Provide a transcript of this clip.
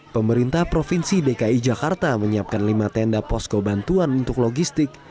pemerintah provinsi dki jakarta menyiapkan lima tenda posko bantuan untuk logistik